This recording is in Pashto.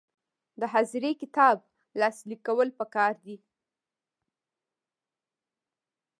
د حاضري کتاب لاسلیک کول پکار دي